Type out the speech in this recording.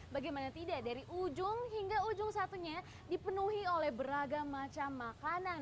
bagaimana tidak dari ujung hingga ujung satunya dipenuhi oleh beragam macam makanan